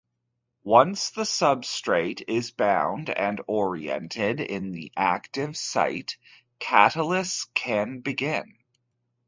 Once the substrate is bound and oriented in the active site, catalysis can begin.